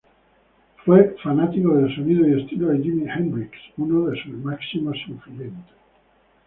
Fue fanático del sonido y estilo de Jimi Hendrix, uno de sus máximos influyentes.